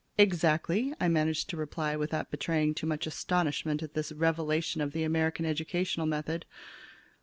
"Exactly," I manage to reply without betraying too much astonishment at this revelation of the American educational method.